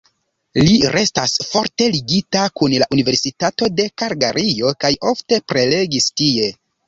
Li restas forte ligita kun la Universitato de Kalgario kaj ofte prelegis tie.